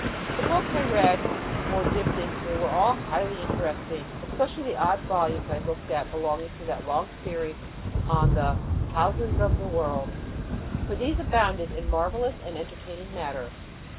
The books I read, or dipped into, were all highly interesting, especially the odd volumes I looked at belonging to that long series on the Houses of the World, for these abounded in marvelous and entertaining matter.